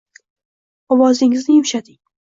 Ovozingizni yumshating.